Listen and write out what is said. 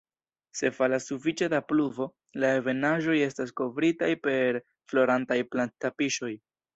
Se falas sufiĉe da pluvo, la ebenaĵoj estas kovritaj per florantaj plant-"tapiŝoj".